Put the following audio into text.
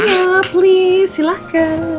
iya please silahkan